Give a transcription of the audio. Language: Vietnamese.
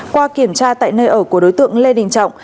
qua kiểm tra tại nơi ở của đối tượng lê đình trọng